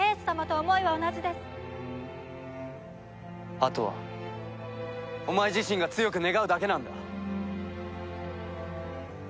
あとはお前自身が強く願うだけなんだ。